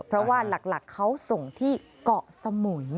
เพราะว่าหลักเขาส่งที่เกาะสมุย